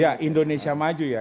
ya indonesia maju ya